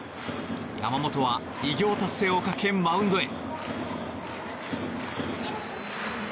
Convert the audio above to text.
山本は偉業達成をかけマウンドへ。